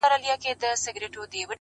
ښه اخلاق تل درناوی ګټي.!